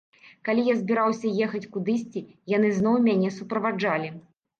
Калі я збіраўся ехаць кудысьці, яны зноў мяне суправаджалі.